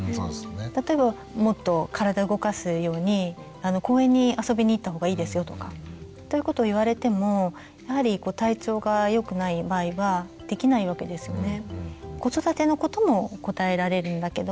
例えば「もっと体動かすように公園に遊びに行った方がいいですよ」とか。ということを言われてもやはり体調が良くない場合はできないわけですよね。